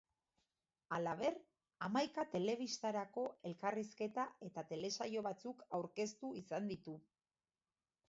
Halaber, Hamaika Telebistarako elkarrizketa eta telesaio batzuk aurkeztu izan ditu.